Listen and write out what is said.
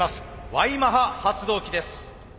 Ｙマハ発動機です。